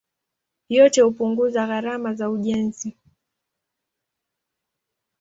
Yote hupunguza gharama za ujenzi.